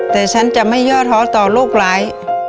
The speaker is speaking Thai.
แต่ฉันจะไม่ย่อท้อต่อโรคร้าย